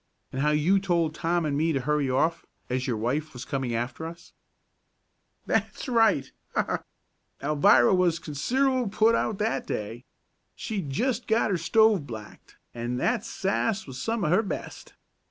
And how you told Tom and me to hurry off, as your wife was coming after us." "That's right! Ha! Ha! Alvirah was considerable put out that day. She'd just got her stove blacked, an' that sass was some of her best.